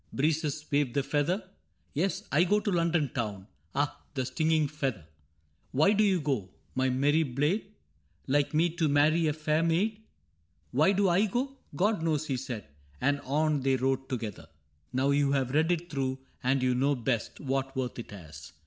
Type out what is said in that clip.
* (^Breezes waved the feather) —* TeSj I go to London Town,' {Ah J the stinging feather /)—* fFhy do you go^ my merry blade ? Like me^ to marry a fair maid? *—* tVhy do Igo?. .. God knows^ he said; And on they rode together. " Now you have read it through, and you know best What worth it has.